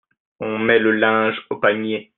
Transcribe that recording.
On met le linge au panier.